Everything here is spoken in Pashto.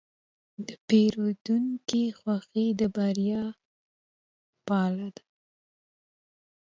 د پیرودونکي خوښي د بریا پله ده.